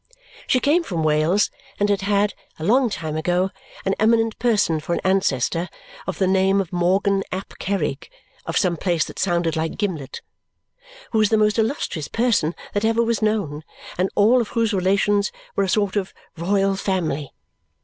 She came from Wales and had had, a long time ago, an eminent person for an ancestor, of the name of Morgan ap Kerrig of some place that sounded like Gimlet who was the most illustrious person that ever was known and all of whose relations were a sort of royal family.